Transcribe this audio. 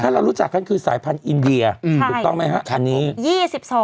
ถ้าเรารู้จักกันคือสายพันธุ์อินเดียถูกต้องไหมครับอันนี้